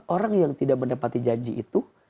orang yang tidak menepati janji itu